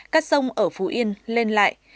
các sông ở phú yên lên lại